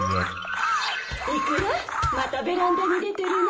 イクラまたベランダに出てるの？